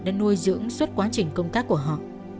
đã nuôi dưỡng suốt quá trình công tác của họ